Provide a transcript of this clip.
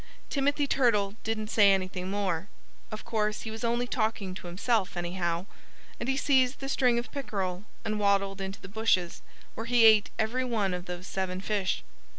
Timothy Turtle didn't say anything more. Of course he was only talking to himself, anyhow. And he seized the string of pickerel and waddled into the bushes, where he ate every one of those seven fish.